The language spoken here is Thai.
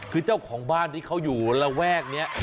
คือเจ้าของบ้านที่เขาอยู่ระแวกนี้